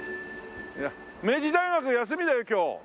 明治大学休みだよ今日。